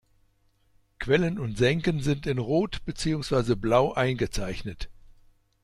Quellen und Senken sind in Rot beziehungsweise Blau eingezeichnet.